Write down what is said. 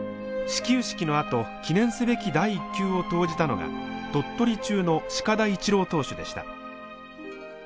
始球式のあと記念すべき第１球を投じたのが鳥取中の鹿田一郎投手でした。